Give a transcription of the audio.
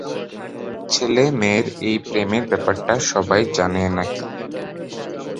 ছেলে-মেয়ের এই প্রেমের ব্যাপারটা সবাই জানে নাকি?